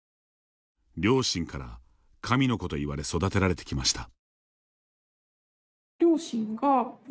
両親から神の子と言われ育てられてきました。